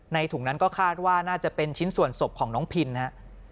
ถุงนั้นก็คาดว่าน่าจะเป็นชิ้นส่วนศพของน้องพินฮะ